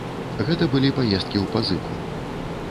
Гэта былі паездкі ў пазыку.